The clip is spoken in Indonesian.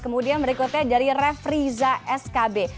kemudian berikutnya dari refriza skb